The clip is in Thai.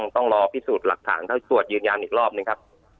ต้องรอพิสูจน์หลักฐานเข้าสวดยืนยันอีกรอบหนึ่งครับ